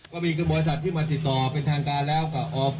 ศาสตร์ที่มาติดต่อเป็นทางการแล้วค่ะ